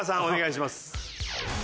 お願いします。